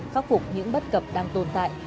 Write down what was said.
khắc phục những bất cập đang tồn tại